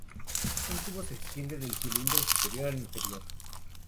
Un tubo se extiende del cilindro superior al inferior.